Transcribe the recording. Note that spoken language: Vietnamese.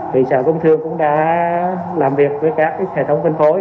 thì sở công thương cũng đã làm việc với các hệ thống phân phối